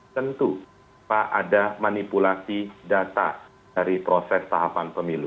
tentu pak ada manipulasi data dari proses tahapan pemilu